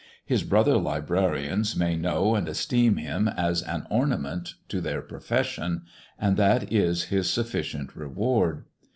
His Brother Librarians may know and Elsteem him as an Ornament to their Profession, and that is his sufficient Reward.